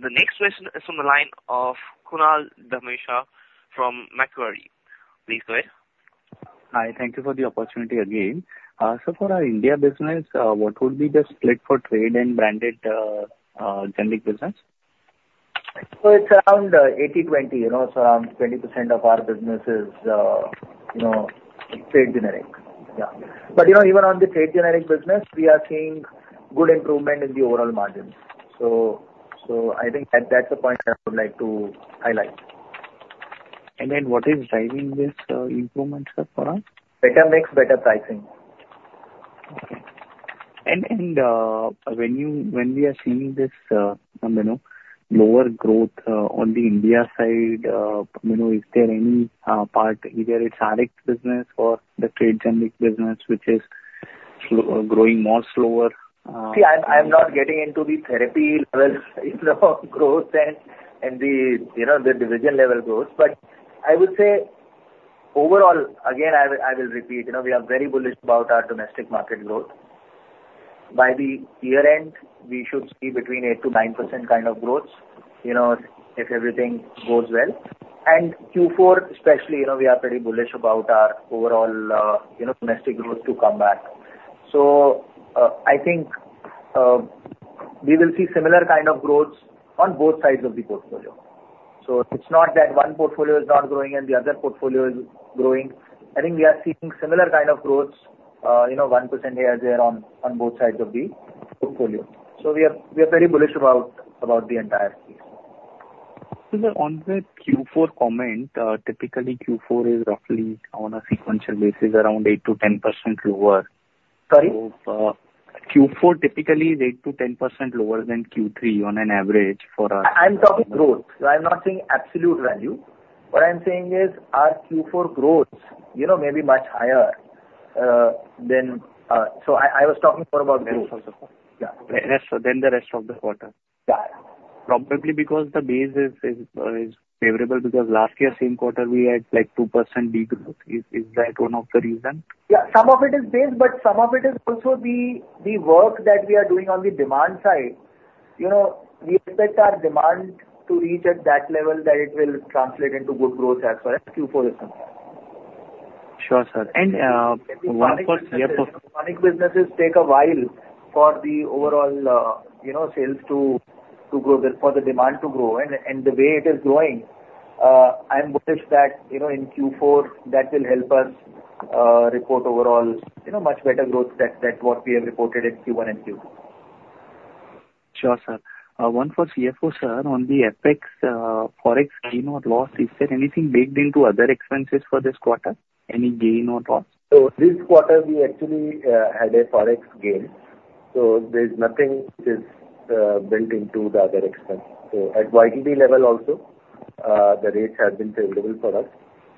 The next question is from the line of Kunal Dhamesha from Macquarie. Please go ahead. Hi. Thank you for the opportunity again. So for our India business, what would be the split for trade and branded generic business? So it's around 80/20. So around 20% of our business is trade generic. Yeah. But even on the trade generic business, we are seeing good improvement in the overall margins. So I think that's a point I would like to highlight. And then what is driving this improvement, sir, for us? Better mix, better pricing. Okay. And when we are seeing this lower growth on the India side, is there any part either it's chronic business or the trade generic business which is growing more slower? See, I'm not getting into the therapy level growth and the division level growth. But I would say overall, again, I will repeat, we are very bullish about our domestic market growth. By the year end, we should see between 8%-9% kind of growth if everything goes well. And Q4, especially, we are pretty bullish about our overall domestic growth to come back. So I think we will see similar kind of growths on both sides of the portfolio. So it's not that one portfolio is not growing and the other portfolio is growing. I think we are seeing similar kind of growths, 1% year-to-year on both sides of the portfolio. So we are very bullish about the entire piece. On the Q4 comment, typically Q4 is roughly on a sequential basis around 8%-10% lower. Sorry? Q4 typically is 8%-10% lower than Q3 on average for. I'm talking growth. I'm not saying absolute value. What I'm saying is our Q4 growth may be much higher than so I was talking more about growth. Yes. So then the rest of the quarter. Yeah. Probably because the base is favorable because last year, same quarter, we had 2% degrowth. Is that one of the reason? Yeah. Some of it is base, but some of it is also the work that we are doing on the demand side. We expect our demand to reach at that level that it will translate into good growth as well as Q4 as well. Sure, sir. And one more question. Chronic businesses take a while for the overall sales to grow, for the demand to grow. And the way it is growing, I'm bullish that in Q4, that will help us report overall much better growth than what we have reported in Q1 and Q2. Sure, sir. One for CFO, sir. On the Opex Forex gain or loss, is there anything baked into other expenses for this quarter? Any gain or loss? So this quarter, we actually had a Forex gain. So there's nothing which is built into the other expenses. So at YTD level also, the rates have been favorable for us.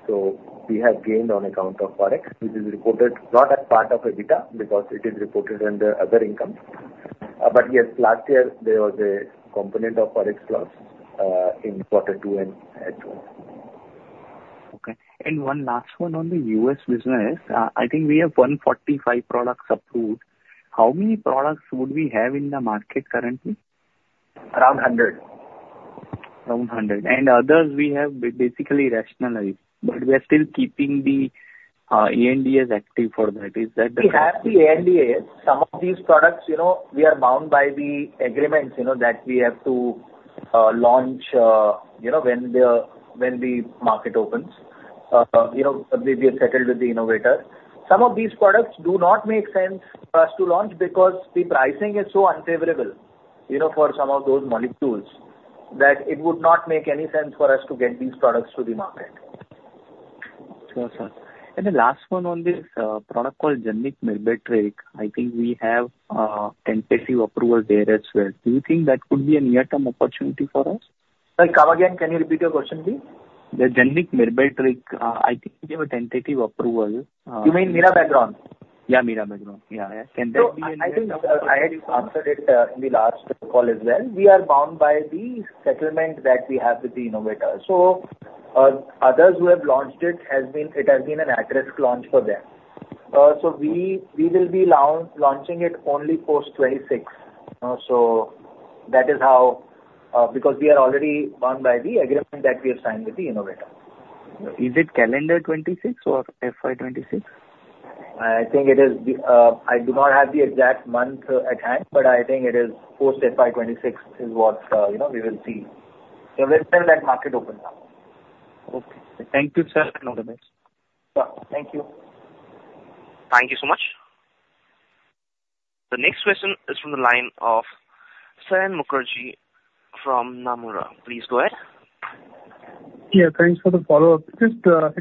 So we have gained on account of Forex, which is reported not as part of EBITDA because it is reported under other income. But yes, last year, there was a component of Forex loss in quarter two and three. Okay. And one last one on the U.S. business. I think we have 145 products approved. How many products would we have in the market currently? Around 100. Around 100. And others, we have basically rationalized. But we are still keeping the ANDAs active for that. Is that the case? We have the ANDAs. Some of these products, we are bound by the agreements that we have to launch when the market opens. We are settled with the innovator. Some of these products do not make sense for us to launch because the pricing is so unfavorable for some of those molecules that it would not make any sense for us to get these products to the market. Sure, sir. And the last one on this product called generic Myrbetriq, I think we have tentative approval there as well. Do you think that could be a near-term opportunity for us? Sorry, come again. Can you repeat your question, please? The generic Myrbetriq, I think we have a tentative approval. You mean Mirabegron? Yeah, Mirabegron. Yeah. Can that be a near-term? So I think I had answered it in the last call as well. We are bound by the settlement that we have with the innovator. So others who have launched it, it has been an at-risk launch for them. So we will be launching it only post-26. So that is how because we are already bound by the agreement that we have signed with the innovator. Is it calendar 2026 or FY 2026? I think it is. I do not have the exact month at hand, but I think it is post-FY 2026 is what we will see when that market opens up. Okay. Thank you, sir. Thank you. Thank you so much. The next question is from the line of Saion Mukherjee from Nomura. Please go ahead. Yeah. Thanks for the follow-up. Just a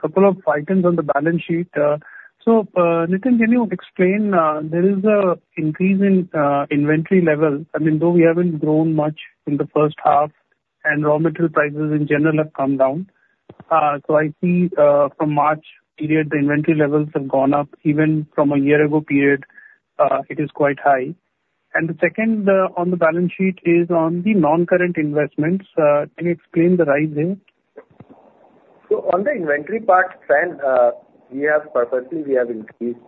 couple of items on the balance sheet. So Nitin, can you explain? There is an increase in inventory level. I mean, though we haven't grown much in the first half, and raw material prices in general have come down. So I see from March period, the inventory levels have gone up. Even from a year-ago period, it is quite high. And the second on the balance sheet is on the non-current investments. Can you explain the rise there? So on the inventory part, we have purposely increased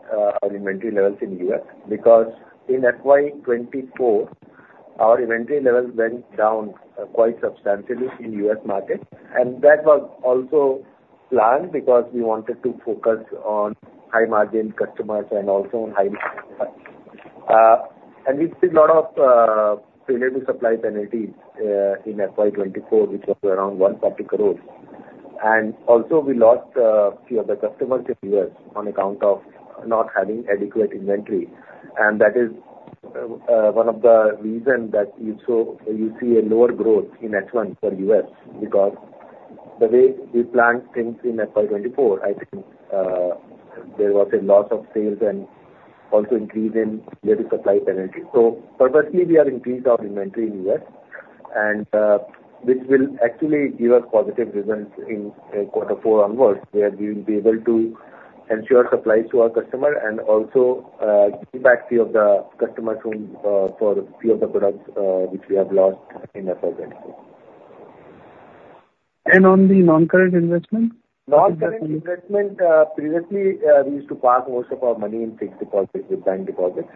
our inventory levels in the U.S. because in FY 2024, our inventory levels went down quite substantially in the U.S. market. And that was also planned because we wanted to focus on high-margin customers and also on high-margin customers. And we did a lot of failure-to-supply penalties in FY 2024, which was around 140 crores. And also, we lost a few of the customers in the U.S. on account of not having adequate inventory. And that is one of the reasons that you see a lower growth in H1 for the U.S. because the way we planned things in FY 2024, I think there was a loss of sales and also increase in failure-to-supply penalties. So purposely, we have increased our inventory in the U.S., which will actually give us positive results in quarter four onwards, where we will be able to ensure supplies to our customers and also give back to the customers for a few of the products which we have lost in FY 2024. On the non-current investment? Non-current investment. Previously, we used to park most of our money in fixed deposits with bank deposits.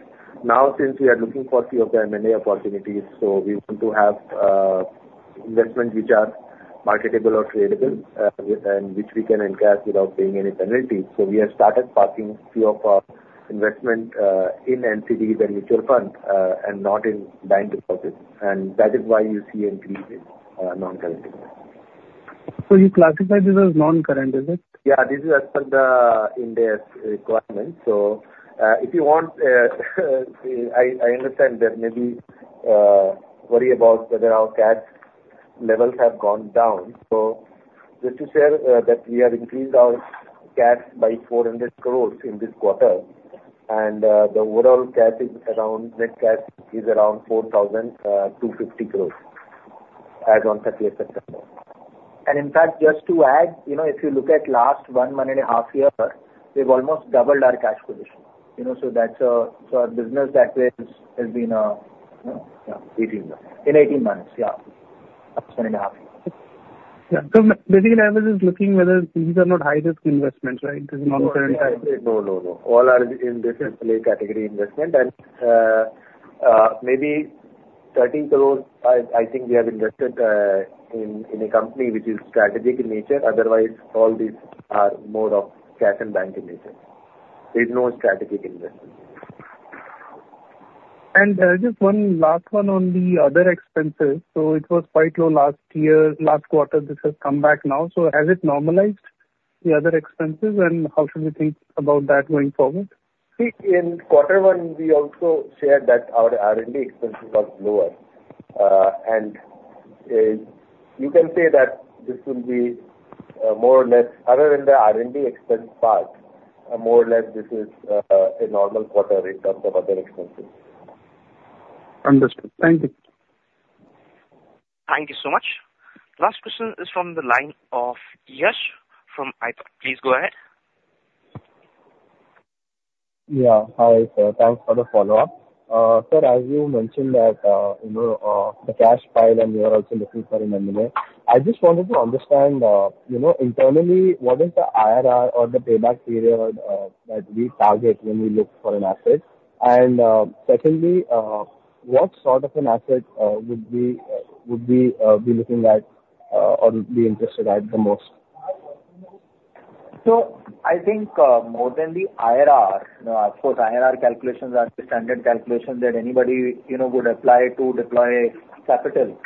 Now, since we are looking for a few of the M&A opportunities, so we want to have investments which are marketable or tradable and which we can encash without paying any penalties. So we have started parking a few of our investments in NCDs and mutual funds and not in bank deposits. And that is why you see increases in non-current investments. So you classify this as non-current, is it? Yeah. This is as per the Ind AS requirement. So if you want, I understand that maybe worry about whether our cash levels have gone down. So just to share that we have increased our cash by 400 crores in this quarter. And the overall net cash is around 4,250 crores as of 30th September. And in fact, just to add, if you look at last one month and a half year, we've almost doubled our cash position. So our business that way has been in 18 months. Yeah. That's one and a half years. Yeah, so basically, I was just looking whether these are not high-risk investments, right? The non-current type. No, no, no. All are in this category investment, and maybe 30 crores. I think we have invested in a company which is strategic in nature. Otherwise, all these are more of cash and bank in nature. There's no strategic investment. And just one last one on the other expenses. So it was quite low last year. Last quarter, this has come back now. So has it normalized, the other expenses? And how should we think about that going forward? See, in quarter one, we also shared that our R&D expenses were lower, and you can say that this will be more or less other than the R&D expense part, more or less, this is a normal quarter in terms of other expenses. Understood. Thank you. Thank you so much. Last question is from the line of Yash from iThought PMS. Please go ahead. Yeah. How are you, sir? Thanks for the follow-up. Sir, as you mentioned that the cash pile and you are also looking for an M&A. I just wanted to understand internally, what is the IRR or the payback period that we target when we look for an asset? And secondly, what sort of an asset would we be looking at or be interested at the most? So I think more than the IRR, of course, IRR calculations are the standard calculation that anybody would apply to deploy capital.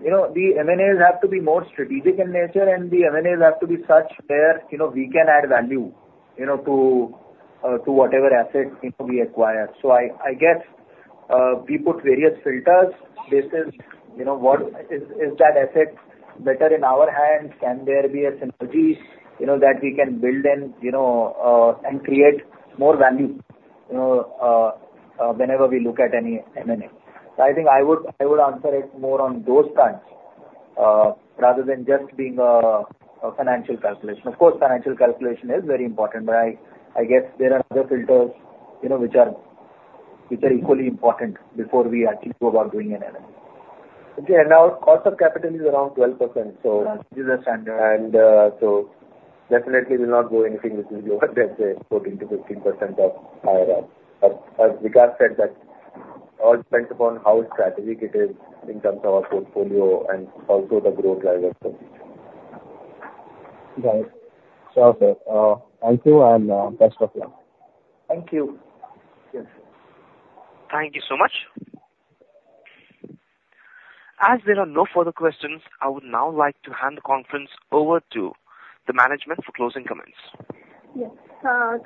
The M&As have to be more strategic in nature, and the M&As have to be such where we can add value to whatever asset we acquire. So I guess we put various filters based on what is that asset better in our hands? Can there be a synergy that we can build in and create more value whenever we look at any M&A? So I think I would answer it more on those kinds rather than just being a financial calculation. Of course, financial calculation is very important, but I guess there are other filters which are equally important before we actually go about doing an M&A. Okay. And our cost of capital is around 12%. So this is a standard. And so definitely, we will not go anything within what they say, 14%-15% of IRR. But as Vikas said, that all depends upon how strategic it is in terms of our portfolio and also the growth drivers for the future. Got it. Sure, sir. Thank you and best of luck. Thank you. Thank you so much. As there are no further questions, I would now like to hand the conference over to the management for closing comments. Yes.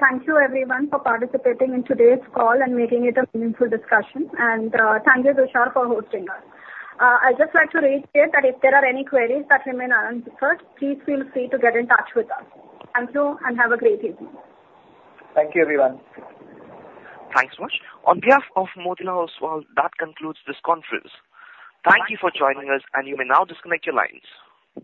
Thank you, everyone, for participating in today's call and making it a meaningful discussion, and thank you, Tushar, for hosting us. I'd just like to reiterate that if there are any queries that remain unanswered, please feel free to get in touch with us. Thank you and have a great evening. Thank you, everyone. Thanks so much. On behalf of Motilal Oswal Financial Services, that concludes this conference. Thank you for joining us, and you may now disconnect your lines.